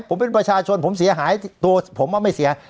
ผมเป็นประชาชนผมเสียหายตัวผมว่าไม่เสีย